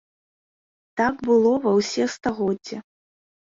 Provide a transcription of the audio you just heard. Так было ва ўсе стагоддзі.